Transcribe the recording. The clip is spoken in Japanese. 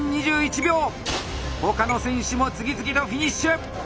他の選手も次々とフィニッシュ。